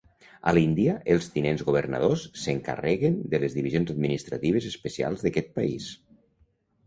A l'Índia, els tinents governadors s'encarreguen de les divisions administratives especials d'aquest país.